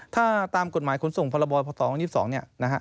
ถ้าตามกฎหมายขนส่งพรบพศ๒๒เนี่ยนะฮะ